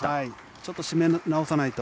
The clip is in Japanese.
ちょっと締め直さないと。